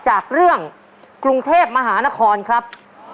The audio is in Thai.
จากเรื่องกรุงเทพมหานครครับ